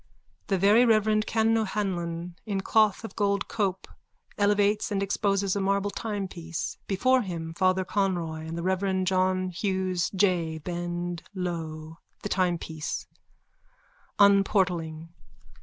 _(The very reverend Canon O'Hanlon in cloth of gold cope elevates and exposes a marble timepiece. Before him Father Conroy and the reverend John Hughes S. J. bend low.)_ THE TIMEPIECE: _(Unportalling.)